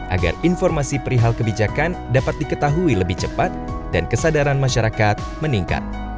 agar informasi perihal kebijakan dapat diketahui lebih cepat dan kesadaran masyarakat meningkat